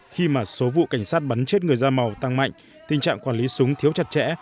khi mà số vụ cảnh sát bắn chết người da màu tăng mạnh tình trạng quản lý súng thiếu chặt chẽ